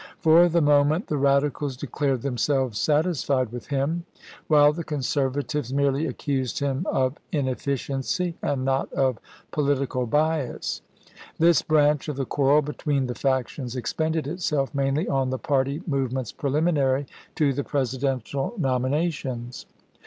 For the moment, the Radicals declared themselves satisfied with him, while the Conserva tives merely accused him of inefficiency and not of political bias. This branch of the quaiTcl between the factions expended itself mainly on the party movements preliminary to the Presidential nomi MISSOURI FEEE 477 nations.